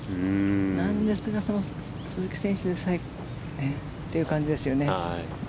なんですが、その鈴木選手でさえという感じですよね。